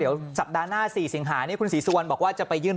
เดี๋ยวสัปดาห์หน้า๔สิงหานี่คุณศรีสุวรรณบอกว่าจะไปยื่น